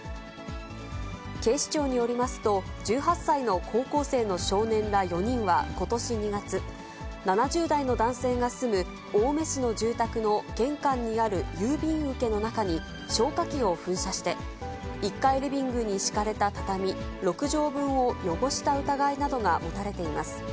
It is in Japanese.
警視庁によりますと、１８歳の高校生の少年ら４人はことし２月、７０代の男性が住む青梅市の住宅の玄関にある郵便受けの中に消火器を噴射して、１階リビングに敷かれた畳６畳分を汚した疑いなどが持たれています。